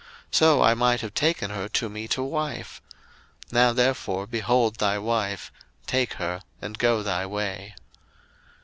so I might have taken her to me to wife: now therefore behold thy wife, take her, and go thy way.